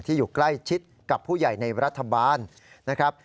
อยู่ใกล้ชิดกับผู้ใหญ่ในรัฐบาลนะครับ